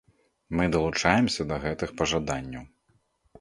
Мы далучаемся да гэтых пажаданняў.